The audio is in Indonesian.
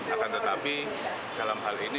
akan tetapi dalam hal ini